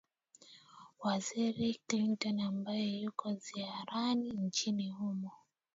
waziri clinton ambaye yuko ziarani nchini humo